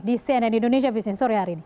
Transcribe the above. di cnn indonesia business sore hari ini